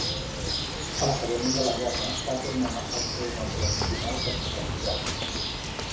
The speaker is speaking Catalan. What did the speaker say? A l'acabament de la guerra, va tornar al seu nom tradicional castellanitzat.